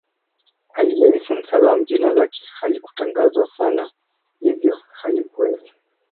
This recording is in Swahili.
Alayhis Salaam jina lake halikutangazwa sana hivyo halikuweza